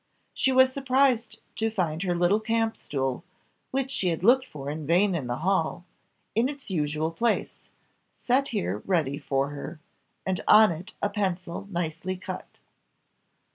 She was surprised to find her little camp stool, which she had looked for in vain in the hall, in its usual place, set here ready for her, and on it a pencil nicely cut.